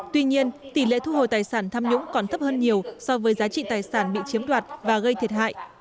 tuy nhiên tỷ lệ thu hồi tài sản tham nhũng còn thấp hơn nhiều so với giá trị tài sản bị chiếm đoạt và gây thiệt hại